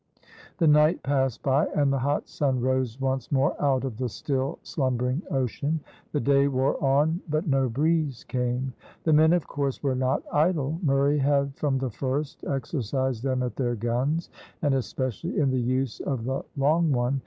The night passed by, and the hot sun rose once more out of the still slumbering ocean. The day wore on, but no breeze came. The men, of course, were not idle. Murray had from the first exercised them at their guns, and especially in the use of the long one.